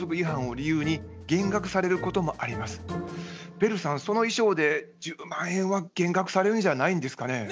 ベルさんその衣装で１０万円は減額されるんじゃないんですかね？